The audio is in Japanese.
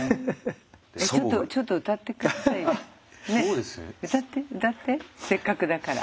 うたってうたってせっかくだから。